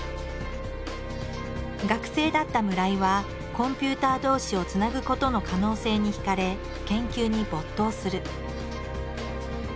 学生だった村井はコンピューター同士をつなぐことの可能性に惹かれ研究に没頭する。